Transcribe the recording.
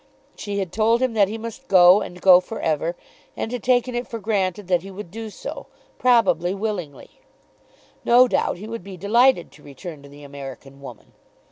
She had told him that he must go, and go for ever, and had taken it for granted that he would do so, probably willingly. No doubt he would be delighted to return to the American woman.